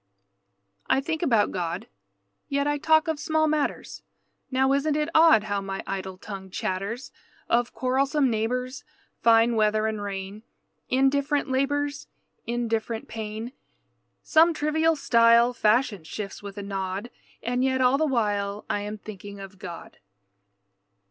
I think about God. Yet I talk of small matters. Now isn't it odd How my idle tongue chatters! Of quarrelsome neighbors, Fine weather and rain, Indifferent labors, Indifferent pain, Some trivial style Fashion shifts with a nod. And yet all the while I am thinking of God.